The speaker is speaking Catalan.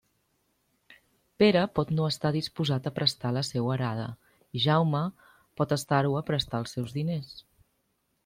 Pere pot no estar disposat a prestar la seua arada, i Jaume pot estar-ho a prestar els seus diners.